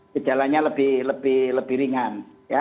ini kan berjalannya lebih lebih lebih ringan ya